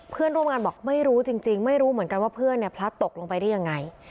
เพื่อนร่วมงานบอกไม่รู้จริงไม่รู้เหมือนกันว่าเพื่อนเนี่ยพลัดตกลงไปได้ยังไง